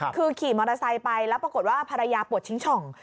คือขี่มอเตอร์ไซค์ไปแล้วปรากฏว่าภรรยาปวดชิงช่อง